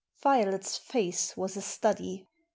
Violet's face was a study.